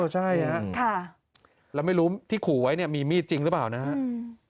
ใช่ครับแล้วไม่รู้ที่ขู่ไว้เนี่ยมีมีดจริงหรือเปล่านะครับ